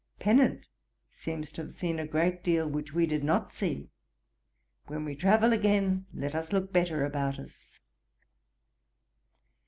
Pennant seems to have seen a great deal which we did not see: when we travel again let us look better about us.